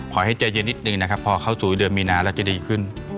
ให้ใจเย็นนิดนึงนะครับพอเข้าสู่เดือนมีนาแล้วจะดีขึ้น